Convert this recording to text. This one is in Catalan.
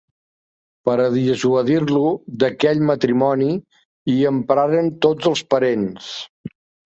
Per a dissuadir-lo d'aquell matrimoni, hi empraren tots els parents.